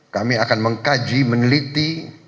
kami akan mengkaji meneliti